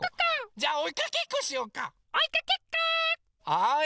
はい。